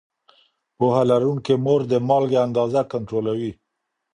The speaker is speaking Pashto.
پوهه لرونکې مور د مالګې اندازه کنټرولوي.